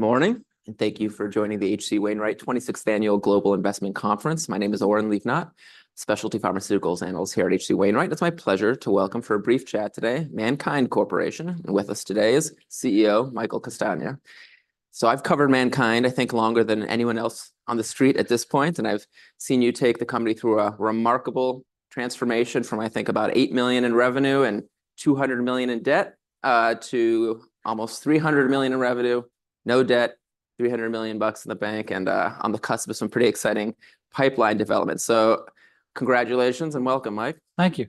Good morning, and thank you for joining the H.C. Wainwright twenty-sixth Annual Global Investment Conference. My name is Oren Livnat, Specialty Pharmaceuticals analyst here at H.C. Wainwright, and it's my pleasure to welcome for a brief chat today, MannKind Corporation. And with us today is CEO, Michael Castagna. So I've covered MannKind, I think, longer than anyone else on the street at this point, and I've seen you take the company through a remarkable transformation from, I think, about $8 million in revenue and $200 million in debt to almost $300 million in revenue, no debt, $300 million bucks in the bank, and on the cusp of some pretty exciting pipeline developments. So congratulations and welcome, Mike. Thank you.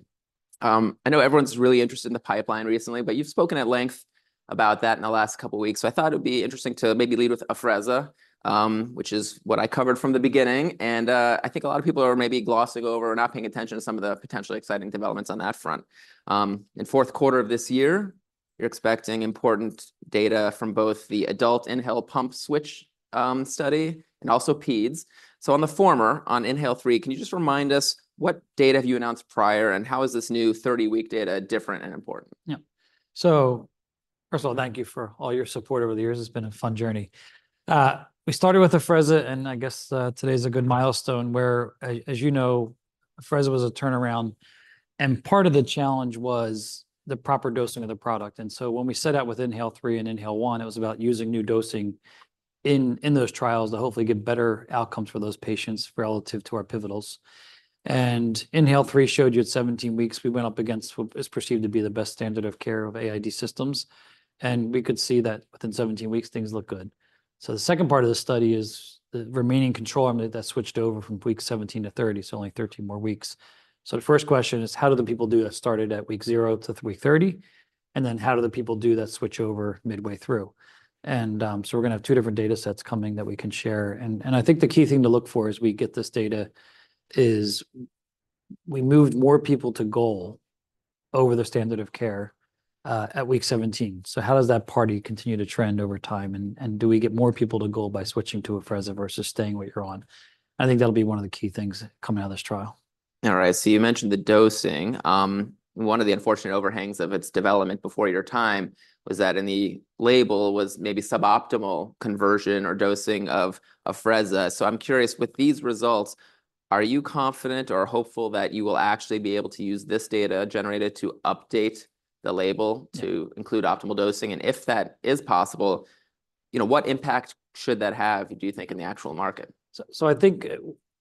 I know everyone's really interested in the pipeline recently, but you've spoken at length about that in the last couple of weeks, so I thought it would be interesting to maybe lead with Afrezza, which is what I covered from the beginning, and I think a lot of people are maybe glossing over or not paying attention to some of the potentially exciting developments on that front. In fourth quarter of this year, you're expecting important data from both the adult INHALE pump switch study and also peds. So on the former, on INHALE-3, can you just remind us what data have you announced prior, and how is this new 30-week data different and important? Yeah. So first of all, thank you for all your support over the years. It's been a fun journey. We started with Afrezza, and I guess, today's a good milestone where as you know, Afrezza was a turnaround, and part of the challenge was the proper dosing of the product. So when we set out with INHALE-3 and INHALE-1, it was about using new dosing in those trials to hopefully get better outcomes for those patients relative to our pivotals. INHALE-3 showed you at 17 weeks, we went up against what is perceived to be the best standard of care of AID systems, and we could see that within 17 weeks, things look good. The second part of the study is the remaining control arm that switched over from week 17 to 30, so only 13 more weeks. So the first question is, how do the people do that started at week 0 to week 30, and then how do the people do that switch over midway through? And so we're gonna have two different data sets coming that we can share. And I think the key thing to look for as we get this data is we moved more people to goal over the standard of care at week 17. So how does that parity continue to trend over time, and do we get more people to goal by switching to Afrezza versus staying what you're on? I think that'll be one of the key things coming out of this trial. All right. So you mentioned the dosing. One of the unfortunate overhangs of its development before your time was that the label was maybe suboptimal conversion or dosing of Afrezza. So I'm curious, with these results, are you confident or hopeful that you will actually be able to use this data generated to update the label? Mm... to include optimal dosing? And if that is possible, you know, what impact should that have, do you think, in the actual market? I think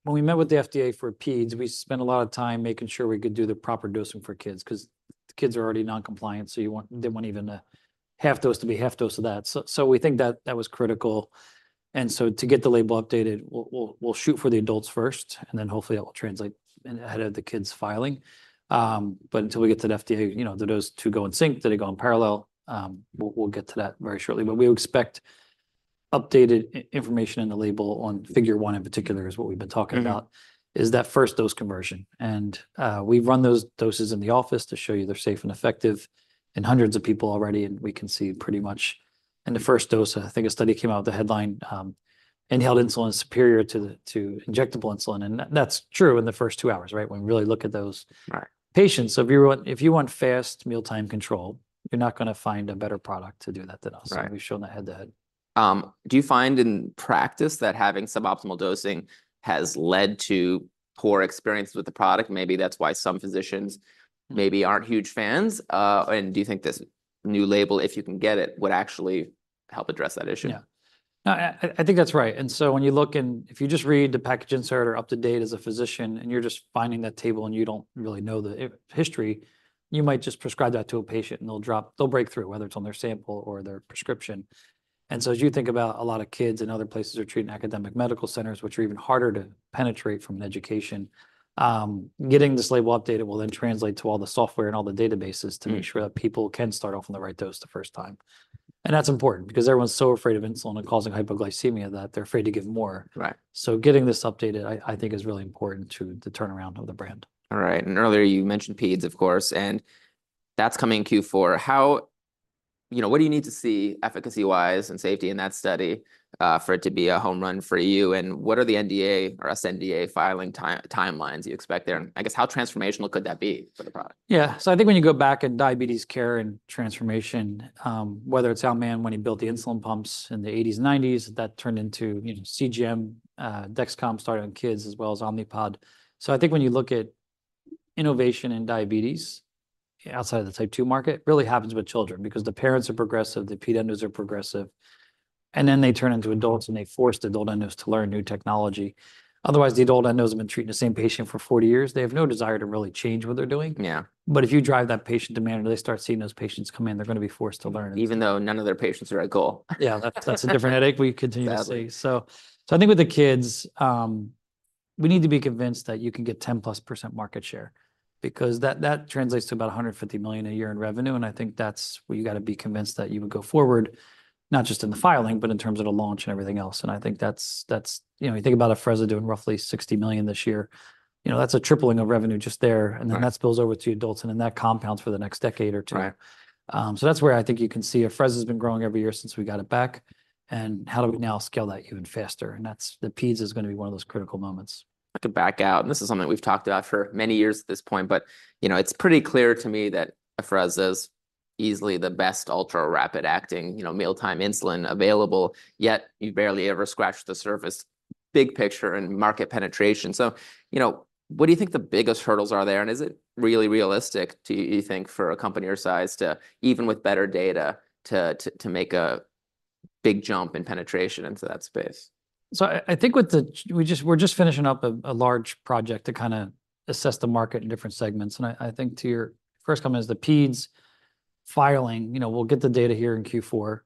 when we met with the FDA for peds, we spent a lot of time making sure we could do the proper dosing for kids, 'cause kids are already non-compliant, so they want even a half dose to be half dose of that. We think that that was critical. To get the label updated, we'll shoot for the adults first, and then hopefully that will translate in ahead of the kids' filing. Until we get to the FDA, you know, do those two go in sync? Do they go in parallel? We'll get to that very shortly. We expect updated information in the label on figure one in particular, is what we've been talking about. Mm-hmm... is that first dose conversion. And, we've run those doses in the office to show you they're safe and effective in hundreds of people already, and we can see pretty much in the first dose. I think a study came out with the headline, "Inhaled insulin is superior to injectable insulin." And that's true in the first two hours, right? When we really look at those- Right... patients. So if you want, if you want fast mealtime control, you're not gonna find a better product to do that than us. Right. We've shown that head-to-head. Do you find in practice that having suboptimal dosing has led to poor experience with the product? Maybe that's why some physicians aren't huge fans, and do you think this new label, if you can get it, would actually help address that issue? Yeah. No, I think that's right. And so when you look and if you just read the package insert or up to date as a physician, and you're just finding that table, and you don't really know the history, you might just prescribe that to a patient, and they'll break through, whether it's on their sample or their prescription. And so as you think about a lot of kids and other places are treating academic medical centers, which are even harder to penetrate from an education, getting this label updated will then translate to all the software and all the databases- Mm... to make sure that people can start off on the right dose the first time. And that's important, because everyone's so afraid of insulin and causing hypoglycemia that they're afraid to give more. Right. Getting this updated, I think, is really important to the turnaround of the brand. All right. And earlier you mentioned peds, of course, and that's coming in Q4. How... You know, what do you need to see efficacy-wise and safety in that study for it to be a home run for you? And what are the NDA or sNDA filing timelines you expect there? And I guess, how transformational could that be for the product? Yeah. So I think when you go back in diabetes care and transformation, whether it's Al Mann, when he built the insulin pumps in the '80s and '90s, that turned into, you know, CGM, Dexcom started on kids, as well as Omnipod. So I think when you look at innovation in diabetes, outside of the Type 2 market, it really happens with children because the parents are progressive, the peds endos are progressive, and then they turn into adults, and they force the adult endos to learn new technology. Otherwise, the adult endos have been treating the same patient for forty years. They have no desire to really change what they're doing. Yeah. But if you drive that patient demand or they start seeing those patients come in, they're gonna be forced to learn. Even though none of their patients are at goal. Yeah, that's a different headache we continuously- Absolutely. I think with the kids, we need to be convinced that you can get 10-plus% market share, because that translates to about $150 million a year in revenue, and I think that's where you gotta be convinced that you would go forward, not just in the filing, but in terms of the launch and everything else. And I think that's... You know, you think about Afrezza doing roughly $60 million this year, you know, that's a tripling of revenue just there. Right. And then that spills over to adults, and then that compounds for the next decade or two. Right. So that's where I think you can see Afrezza's been growing every year since we got it back, and how do we now scale that even faster? And that's the peds is gonna be one of those critical moments. To back out, and this is something we've talked about for many years at this point, but, you know, it's pretty clear to me that Afrezza is easily the best ultra rapid acting, you know, mealtime insulin available, yet you barely ever scratch the surface, big picture and market penetration. So, you know, what do you think the biggest hurdles are there, and is it really realistic, do you think, for a company your size to, even with better data, to make a big jump in penetration into that space? So I think with the-- we're just finishing up a large project to kind of assess the market in different segments. And I think to your first comment is the PEDs filing. You know, we'll get the data here in Q4,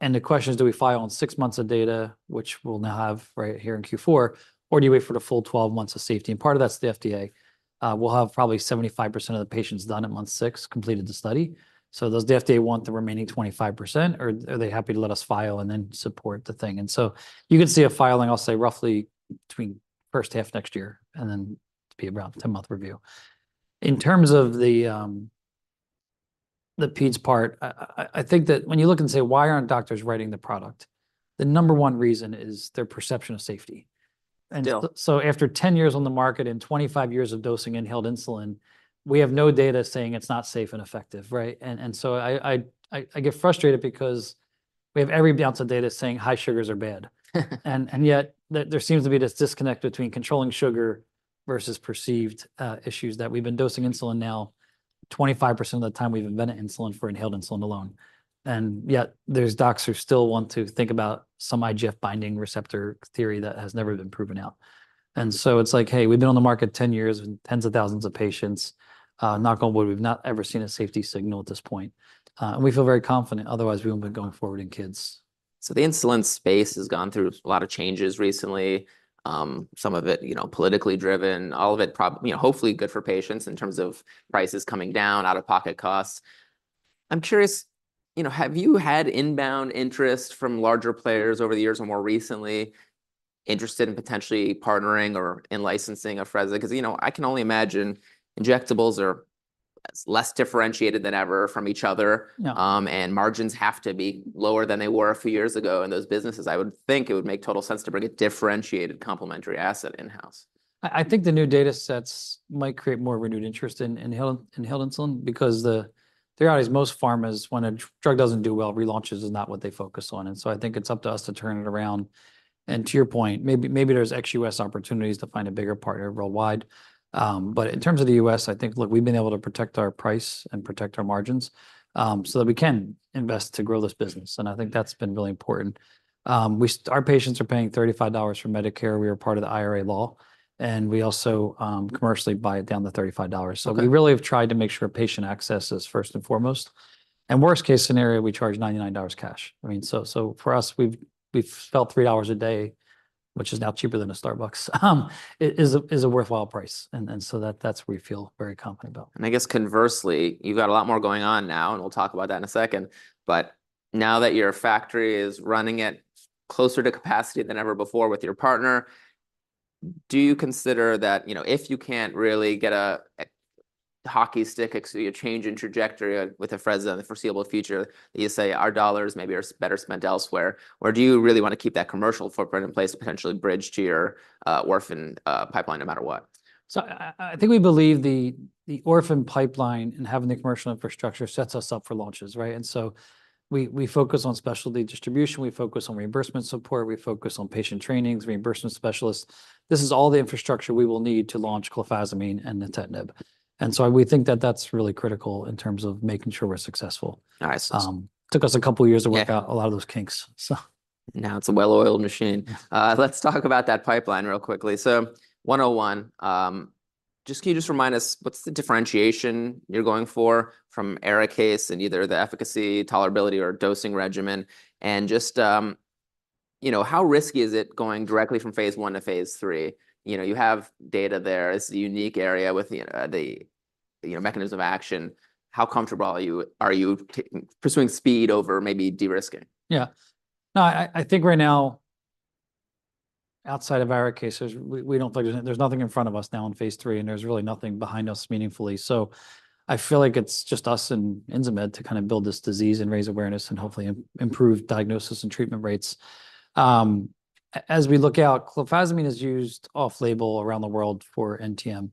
and the question is: do we file on six months of data, which we'll now have right here in Q4, or do you wait for the full 12 months of safety? And part of that's the FDA. We'll have probably 75% of the patients done at month six, completed the study. So does the FDA want the remaining 25%, or are they happy to let us file and then support the thing? And so you can see a filing, I'll say, roughly between first half next year, and then it'd be around a 10-month review. In terms of the peds part, I think that when you look and say: "Why aren't doctors writing the product?" The number one reason is their perception of safety. Yeah. And so after ten years on the market and twenty-five years of dosing inhaled insulin, we have no data saying it's not safe and effective, right? And so I get frustrated because we have every ounce of data saying high sugars are bad. And yet there seems to be this disconnect between controlling sugar versus perceived issues, that we've been dosing insulin now. 25% of the time we've invented insulin for inhaled insulin alone, and yet there's docs who still want to think about some IGF binding receptor theory that has never been proven out. And so it's like, "Hey, we've been on the market ten years with tens of thousands of patients. Knock on wood, we've not ever seen a safety signal at this point, and we feel very confident. Otherwise, we wouldn't be going forward in kids. So the insulin space has gone through a lot of changes recently, some of it, you know, politically driven, all of it you know, hopefully good for patients in terms of prices coming down, out-of-pocket costs. I'm curious, you know, have you had inbound interest from larger players over the years or more recently, interested in potentially partnering or in licensing Afrezza? Cause, you know, I can only imagine injectables are less differentiated than ever from each other. Yeah. And margins have to be lower than they were a few years ago in those businesses. I would think it would make total sense to bring a differentiated complementary asset in-house. I think the new data sets might create more renewed interest in inhaled insulin because the reality is most pharmas, when a drug doesn't do well, relaunches is not what they focus on, and so I think it's up to us to turn it around. To your point, maybe there's ex-U.S. opportunities to find a bigger partner worldwide. But in terms of the U.S., I think, look, we've been able to protect our price and protect our margins, so that we can invest to grow this business, and I think that's been really important. Our patients are paying $35 for Medicare. We are part of the IRA law, and we also commercially buy it down to $35. Okay. We really have tried to make sure patient access is first and foremost. Worst-case scenario, we charge $99 cash. I mean, so for us, we've felt $3 a day, which is now cheaper than a Starbucks, is a worthwhile price, and so that's what we feel very confident about. And I guess conversely, you've got a lot more going on now, and we'll talk about that in a second, but now that your factory is running at closer to capacity than ever before with your partner, do you consider that, you know, if you can't really get a hockey stick change in trajectory with Afrezza in the foreseeable future, that you say, "Our dollars maybe are better spent elsewhere," or do you really want to keep that commercial footprint in place to potentially bridge to your orphan pipeline, no matter what? I think we believe the orphan pipeline and having the commercial infrastructure sets us up for launches, right? We focus on specialty distribution, we focus on reimbursement support, we focus on patient trainings, reimbursement specialists. This is all the infrastructure we will need to launch clofazimine and nintedanib. We think that that's really critical in terms of making sure we're successful. All right. Took us a couple years- Yeah... to work out a lot of those kinks. So Now it's a well-oiled machine. Yeah. Let's talk about that pipeline real quickly, so 101, just can you remind us, what's the differentiation you're going for from Arikayce and either the efficacy, tolerability, or dosing regimen? And just, you know, how risky is it going directly from Phase 1 to Phase 3? You know, you have data there. It's a unique area with the, you know, mechanism of action. How comfortable are you? Are you pursuing speed over maybe de-risking? Yeah. No, I think right now, outside of Arikayce, we don't. There's nothing in front of us now in Phase 3, and there's really nothing behind us meaningfully. So I feel like it's just us and Insmed to kind of build this disease and raise awareness, and hopefully improve diagnosis and treatment rates. As we look out, clofazimine is used off-label around the world for NTM.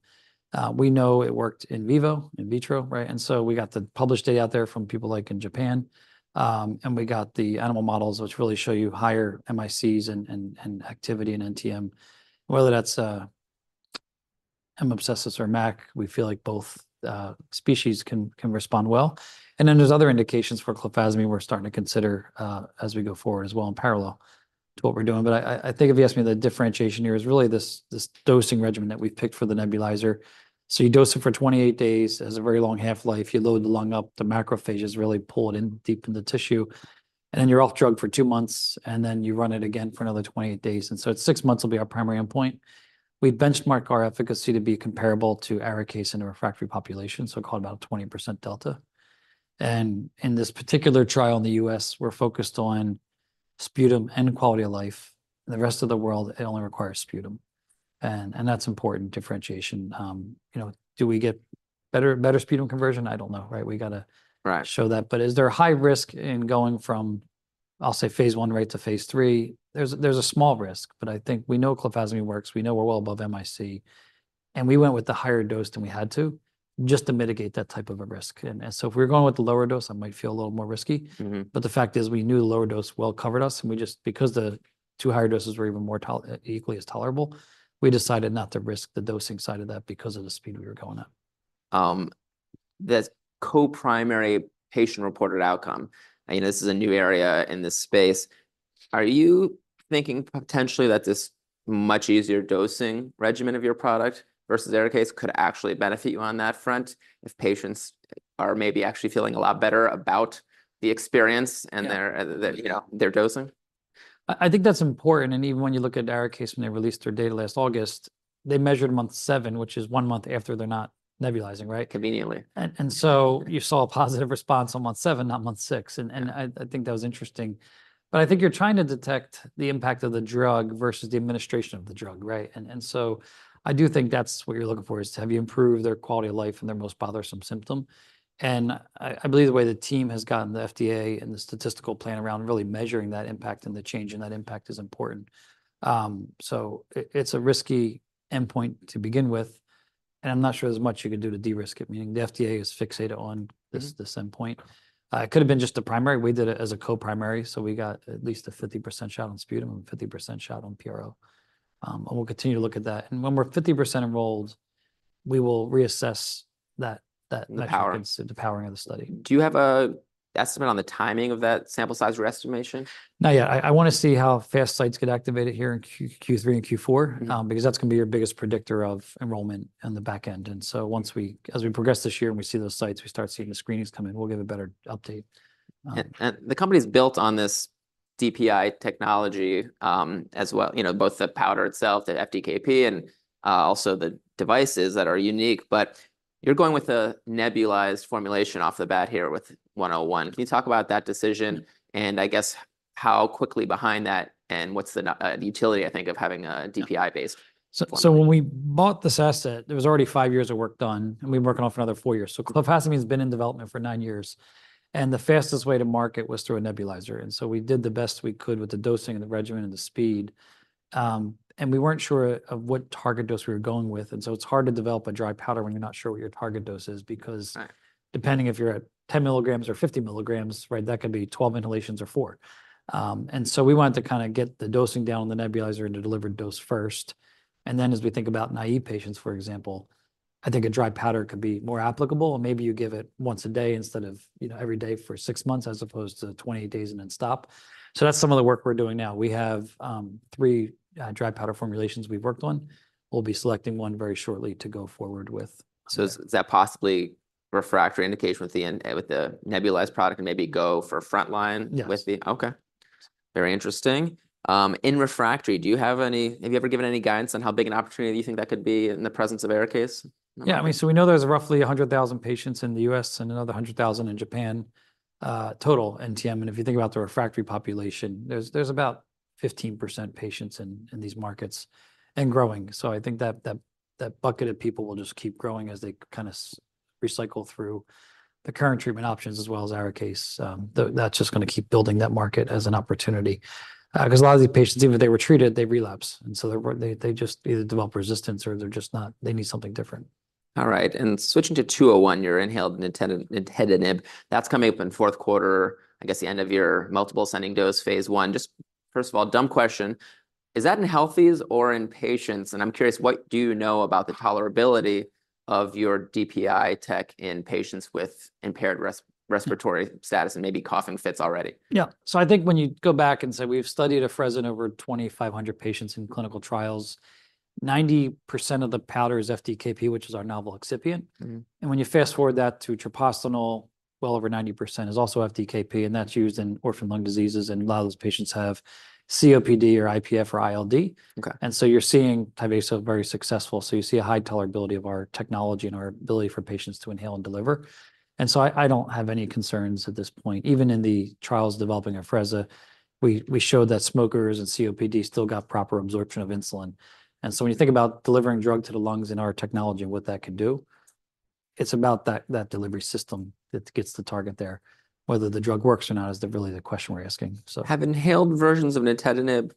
We know it worked in vivo, in vitro, right? And so we got the published data out there from people like in Japan, and we got the animal models, which really show you higher MICs and activity in NTM. Whether that's M. abscessus or MAC, we feel like both species can respond well. And then there's other indications for clofazimine we're starting to consider as we go forward as well, in parallel to what we're doing. But I think if you ask me, the differentiation here is really this dosing regimen that we've picked for the nebulizer. So you dose it for twenty-eight days, has a very long half-life. You load the lung up, the macrophages really pull it in deep in the tissue, and then you're off drug for two months, and then you run it again for another twenty-eight days. And so at six months will be our primary endpoint. We've benchmarked our efficacy to be comparable to Arikayce in a refractory population, so call it about a 20% delta. And in this particular trial in the U.S., we're focused on sputum and quality of life. In the rest of the world, it only requires sputum, and that's important differentiation. You know, do we get better sputum conversion? I don't know, right? We got to- Right... show that. But is there a high risk in going from Phase 1 right to Phase 3? There's a small risk, but I think we know clofazimine works. We know we're well above MIC, and we went with the higher dose than we had to, just to mitigate that type of a risk. And so if we're going with the lower dose, that might feel a little more risky. Mm-hmm. But the fact is, we knew the lower dose well covered us, and we just, because the two higher doses were even more tolerable, equally as tolerable, we decided not to risk the dosing side of that because of the speed we were going at. That co-primary patient-reported outcome, I know this is a new area in this space. Are you thinking potentially that this much easier dosing regimen of your product versus Arikayce could actually benefit you on that front, if patients are maybe actually feeling a lot better about the experience? Yeah... and their, you know, dosing? I think that's important, and even when you look at Arikayce, when they released their data last August, they measured month seven, which is one month after they're not nebulizing, right? Conveniently. So you saw a positive response on month seven, not month six. Yeah. And I think that was interesting. But I think you're trying to detect the impact of the drug versus the administration of the drug, right? And so I do think that's what you're looking for, is have you improved their quality of life and their most bothersome symptom? And I believe the way the team has gotten the FDA and the statistical plan around really measuring that impact, and the change in that impact is important. So it, it's a risky endpoint to begin with, and I'm not sure there's much you can do to de-risk it, meaning the FDA is fixated on this- Mm... this endpoint. It could have been just the primary. We did it as a co-primary, so we got at least a 50% shot on sputum, and a 50% shot on PRO. We'll continue to look at that. When we're 50% enrolled, we will reassess that. The power... the powering of the study. Do you have an estimate on the timing of that sample size re-estimation? Not yet. I want to see how fast sites get activated here in Q3 and Q4- Mm-hmm... because that's gonna be your biggest predictor of enrollment on the back end, and so as we progress this year, and we see those sites, we start seeing the screenings come in, we'll give a better update. The company's built on this DPI technology, as well, you know, both the powder itself, the FDKP, and also the devices that are unique. But you're going with a nebulized formulation off the bat here with 101. Can you talk about that decision, and I guess, how quickly behind that, and what's the utility, I think, of having a DPI base? When we bought this asset, there was already five years of work done, and we've been working on another four years. Clofazimine's been in development for nine years, and the fastest way to market was through a nebulizer, so we did the best we could with the dosing, and the regimen, and the speed. We weren't sure of what target dose we were going with, and so it's hard to develop a dry powder when you're not sure what your target dose is because- Right... depending if you're at 10 milligrams or 50 milligrams, right, that could be 12 inhalations or four. And so we wanted to kind of get the dosing down on the nebulizer and the delivered dose first, and then as we think about naive patients, for example, I think a dry powder could be more applicable, and maybe you give it once a day instead of, you know, every day for six months, as opposed to 20 days and then stop. So that's some of the work we're doing now. We have three dry powder formulations we've worked on. We'll be selecting one very shortly to go forward with. So is that possibly refractory indication with the nebulized product and maybe go for frontline- Yes... with the? Okay. Very interesting. In refractory, have you ever given any guidance on how big an opportunity you think that could be in the presence of Arikayce? Yeah, I mean, so we know there's roughly 100,000 patients in the U.S. and another 100,000 in Japan, total NTM, and if you think about the refractory population, there's about 15% patients in these markets, and growing. So I think that bucket of people will just keep growing as they kind of recycle through the current treatment options as well as Arikayce. That's just gonna keep building that market as an opportunity, 'cause a lot of these patients, even if they were treated, they relapse, and so they just either develop resistance or they're just not... They need something different. All right, and switching to 201, your inhaled nintedanib, nintedanib, that's coming up in fourth quarter, I guess the end of your multiple ascending-dose Phase 1. Just first of all, dumb question: Is that in healthies or in patients? And I'm curious, what do you know about the tolerability of your DPI tech in patients with impaired respiratory status and maybe coughing fits already? Yeah. So I think when you go back and say, we've studied Afrezza in over twenty-five hundred patients in clinical trials, 90% of the powder is FDKP, which is our novel excipient. Mm-hmm. When you fast-forward that to treprostinil, well over 90% is also FDKP, and that's used in orphan lung diseases, and a lot of those patients have COPD, or IPF, or ILD. Okay. You're seeing Tyvaso very successful, so you see a high tolerability of our technology and our ability for patients to inhale and deliver. I don't have any concerns at this point. Even in the trials developing Afrezza, we showed that smokers and COPD still got proper absorption of insulin. When you think about delivering drug to the lungs in our technology and what that can do, it's about that delivery system that gets the target there. Whether the drug works or not is really the question we're asking, so- Have inhaled versions of Nintedanib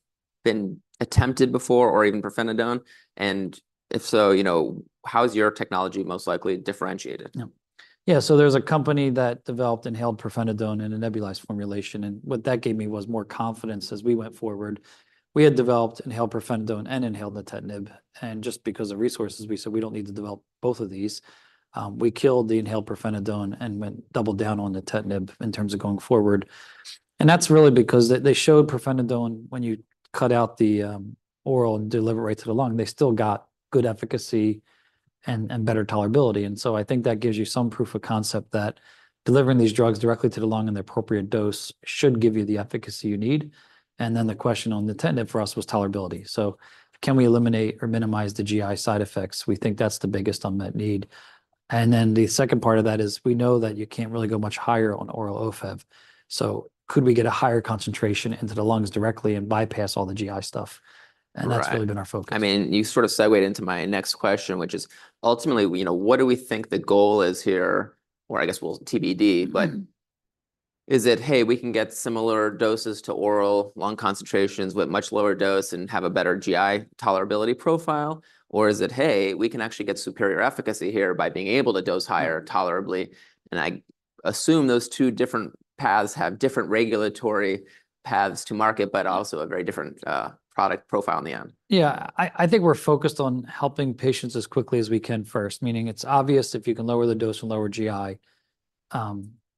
been attempted before or even Pirfenidone? And if so, you know, how is your technology most likely differentiated? Yeah. Yeah, so there's a company that developed inhaled pirfenidone in a nebulized formulation, and what that gave me was more confidence as we went forward. We had developed inhaled pirfenidone and inhaled nintedanib, and just because of resources, we said, "We don't need to develop both of these." We killed the inhaled pirfenidone and doubled down on nintedanib in terms of going forward. And that's really because they showed pirfenidone, when you cut out the oral delivery to the lung, they still got good efficacy and better tolerability. And so I think that gives you some proof of concept that delivering these drugs directly to the lung in the appropriate dose should give you the efficacy you need. And then the question on nintedanib for us was tolerability. So can we eliminate or minimize the GI side effects? We think that's the biggest unmet need, and then the second part of that is, we know that you can't really go much higher on oral OFEV, so could we get a higher concentration into the lungs directly and bypass all the GI stuff? Right. That's really been our focus. I mean, you sort of segued into my next question, which is, ultimately, you know, what do we think the goal is here? Or I guess, well, TBD, but... Is it, "Hey, we can get similar doses to oral lung concentrations with much lower dose and have a better GI tolerability profile?" Or is it, "Hey, we can actually get superior efficacy here by being able to dose higher tolerably?" And I assume those two different paths have different regulatory paths to market, but also a very different product profile in the end. Yeah, I think we're focused on helping patients as quickly as we can first, meaning it's obvious if you can lower the dose and lower GI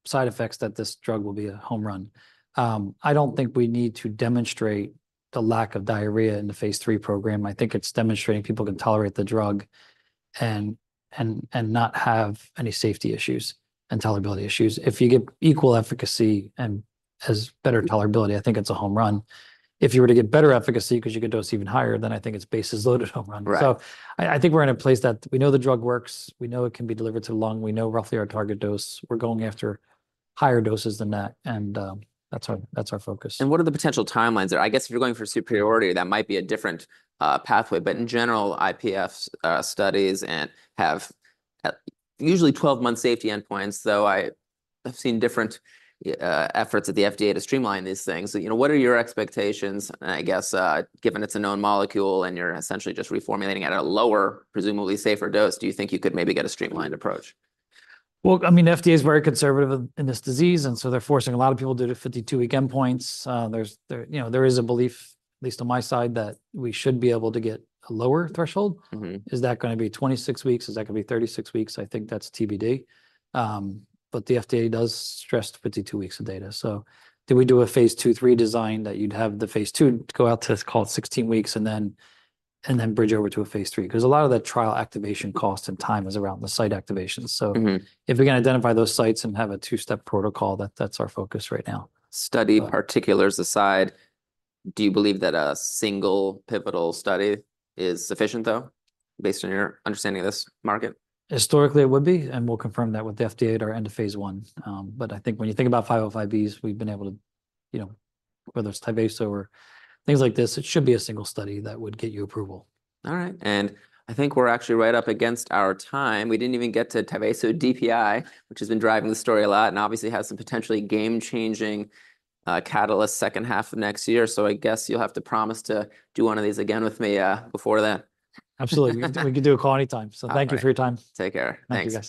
side effects, that this drug will be a home run. I don't think we need to demonstrate the lack of diarrhea in the Phase III program. I think it's demonstrating people can tolerate the drug and not have any safety issues and tolerability issues. If you get equal efficacy and has better tolerability, I think it's a home run. If you were to get better efficacy 'cause you could dose even higher, then I think it's bases loaded home run. Right. I think we're in a place that we know the drug works, we know it can be delivered to lung, we know roughly our target dose. We're going after higher doses than that, and that's our focus. What are the potential timelines there? I guess if you're going for superiority, that might be a different pathway, but in general, IPF studies have usually 12-month safety endpoints, though I've seen different efforts of the FDA to streamline these things. You know, what are your expectations, I guess, given it's a known molecule and you're essentially just reformulating at a lower, presumably safer dose. Do you think you could maybe get a streamlined approach? I mean, the FDA is very conservative in this disease, and so they're forcing a lot of people to do the fifty-two-week endpoints. You know, there is a belief, at least on my side, that we should be able to get a lower threshold. Mm-hmm. Is that gonna be twenty-six weeks? Is that gonna be thirty-six weeks? I think that's TBD. But the FDA does stress fifty-two weeks of data. So do we do a phase II, III design that you'd have the phase II go out to, call it sixteen weeks, and then bridge over to a phase III? 'Cause a lot of the trial activation cost and time is around the site activation. Mm-hmm. So if we can identify those sites and have a two-step protocol, that's our focus right now. Study particulars aside, do you believe that a single pivotal study is sufficient, though, based on your understanding of this market? Historically, it would be, and we'll confirm that with the FDA at our end of Phase I. But I think when you think about 505(b)s, we've been able to... You know, whether it's Teva or things like this, it should be a single study that would get you approval. All right. And I think we're actually right up against our time. We didn't even get to Tyvaso DPI, which has been driving the story a lot and obviously has some potentially game-changing catalyst second half of next year. So I guess you'll have to promise to do one of these again with me before that. Absolutely. We can do a call anytime. Okay. Thank you for your time. Take care. Thanks. Thank you, guys.